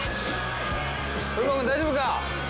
風磨君大丈夫か？